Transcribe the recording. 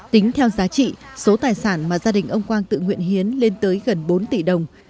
tính theo giá trị số tài sản mà gia đình ông quang tự nguyện hiến lên tới gần bốn tỷ đồng